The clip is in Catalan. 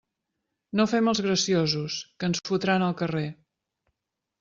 No fem els graciosos, que ens fotran al carrer.